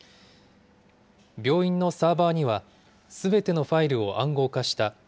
病院のサーバーには、すべてのファイルを暗号化した。